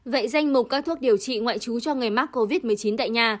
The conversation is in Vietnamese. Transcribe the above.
vậy danh mục các thuốc điều trị ngoại trú cho người mắc covid một mươi chín tại nhà